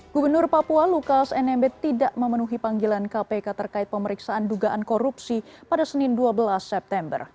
gubernur papua lukas nmb tidak memenuhi panggilan kpk terkait pemeriksaan dugaan korupsi pada senin dua belas september